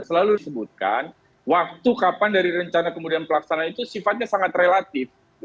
selalu disebutkan waktu kapan dari rencana kemudian pelaksanaan itu sifatnya sangat relatif